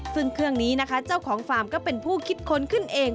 ซึ่งเครื่องนี้นะคะเจ้าของฟาร์มก็เป็นผู้คิดค้นขึ้นเอง